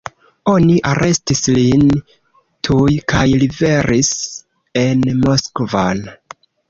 Oni arestis lin tuj kaj liveris en Moskvon.